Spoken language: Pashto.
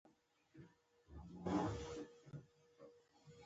د تودوخې درجه په ترمامتر سره اندازه کړئ.